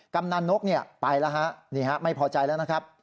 กำนันนกไปแล้วไม่พอใจแล้วนะครับ